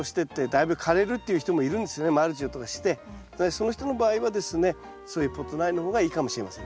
その人の場合はですねそういうポット苗の方がいいかもしれません。